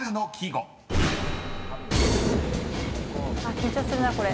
緊張するなこれ。